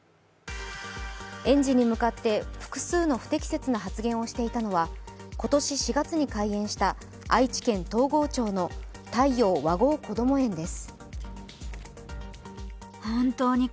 園児に向かって複数の不適切な発言をしていたのは今年４月に開園した愛知県東郷町の太陽わごうこども園です。